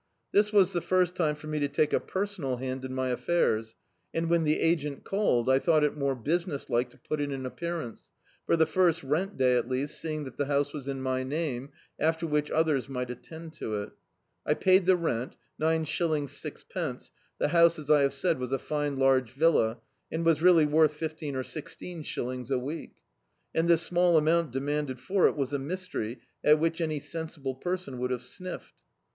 This was die first D,i.,.db, Google The Autobiography of a Super Tramp ume for me to take a perstmal hand in my affairs, and, when the agent called, I thought it more busi ness like to put in an appearance, for the first rent day, at least, seeing that the bouse was in my name, after which others mi^t attend to it I paid the rent, gs. 6d. — the house, as I have said, was a fine large villa, and was really worth fifteen or sixteen shillings a week; and this small amount demanded for it, was a mystery at which any sensible person would have sniffed.